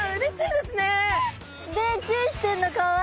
でチュしてんのかわいい。